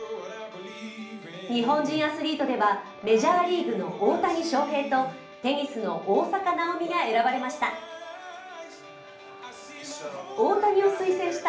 日本人アスリートではメジャーリーグの大谷翔平とテニスの大坂なおみが選ばれました。